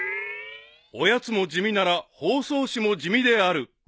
［おやつも地味なら包装紙も地味である］